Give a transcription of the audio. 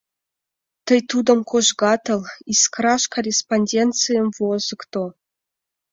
Тый тудым кожгатыл, «Искраш» корреспонденцийым возыкто.